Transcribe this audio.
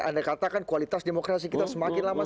anda katakan kualitas demokrasi kita semakin lama